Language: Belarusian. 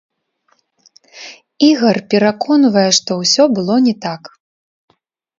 Ігар пераконвае, што ўсё было не так.